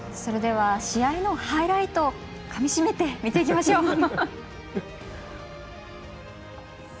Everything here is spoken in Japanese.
試合のハイライトをかみしめて見ていきましょう。